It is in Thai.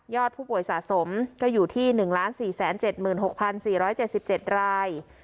ผู้ป่วยสะสมก็อยู่ที่๑๔๗๖๔๗๗ราย